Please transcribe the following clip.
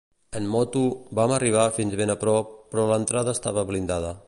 En moto, vam arribar fins ben a prop, però l'entrada estava blindada.